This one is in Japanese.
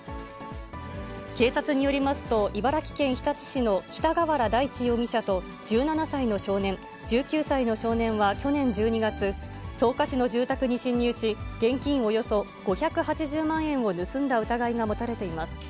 警察によりますと、茨城県日立市の北河原大地容疑者と１７歳の少年、１９歳の少年は去年１２月、草加市の住宅に侵入し、現金およそ５８０万円を盗んだ疑いが持たれています。